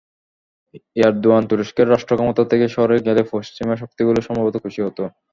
Erdogan তুরস্কের রাষ্ট্রক্ষমতা থেকে সরে গেলেই পশ্চিমা শক্তিগুলো সম্ভবত খুশি হতো।